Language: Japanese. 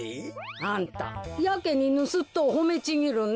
あんたやけにぬすっとをほめちぎるね。